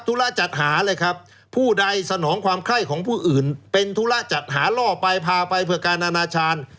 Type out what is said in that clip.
ธุระจัดหาเลยครับผู้ใดสนองความไข้ของผู้อื่นเป็นธุระจัดหาล่อไปพาไปเพื่อการอนาจารย์